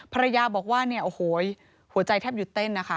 ภรรยาบอกว่าเนี่ยโอ้โหหัวใจแทบหยุดเต้นนะคะ